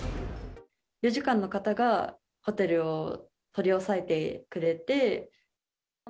領事館の方がホテルを取り押さえてくれて。